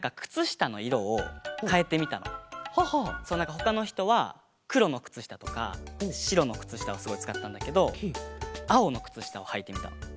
ほかのひとはくろのくつしたとかしろのくつしたをすごいつかってたんだけどあおのくつしたをはいてみたの。